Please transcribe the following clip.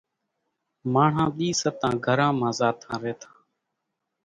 ماڻۿان ۮِي ستان گھران مان زاتان ريتان۔